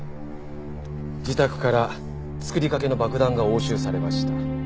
自宅から作りかけの爆弾が押収されました。